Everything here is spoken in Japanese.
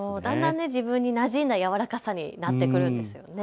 自分になじんだ柔らかさになってくるんですよね。